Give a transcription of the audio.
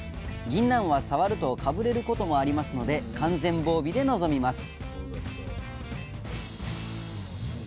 ぎんなんは触るとかぶれることもありますので完全防備で臨みます